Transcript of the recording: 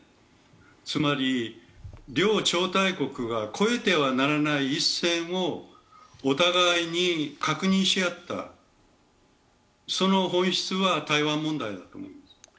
つまり両超大国が越えてはならない一線をお互いに確認し合った、その本質は台湾問題だと思うんです。